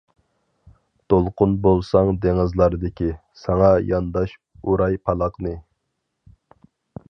دولقۇن بولساڭ دېڭىزلاردىكى، ساڭا يانداش ئۇراي پالاقنى.